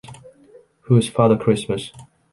Who is Father Christmas.